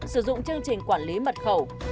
sử dụng chương trình quản lý mật khẩu